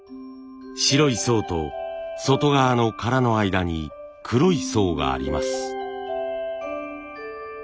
白い層と外側の殻の間に黒い層があります。